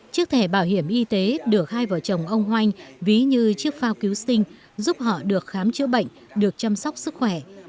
chiếc thẻ bảo hiểm y tế được hai vợ chồng ông hoành ví như chiếc phao cứu sinh giúp họ được khám chữa bệnh được chăm sóc sức khỏe